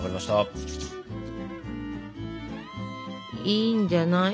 いいんじゃない？